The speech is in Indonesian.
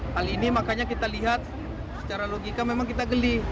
hal ini makanya kita lihat secara logika memang kita geli